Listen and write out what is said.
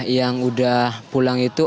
yang sudah pulang itu